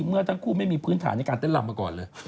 เมื่อทั้งคู่ไม่มีพื้นฐานในการเต้นลำมาก่อนเลย